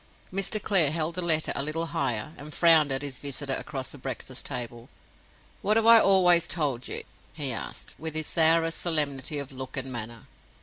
Mr. Clare held the letter a little higher, and frowned at his visitor across the breakfast table. "What have I always told you?" he asked, with his sourest solemnity of look and manner.